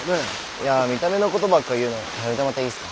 いや見た目のことばっか言うのやめてもらっていいですか。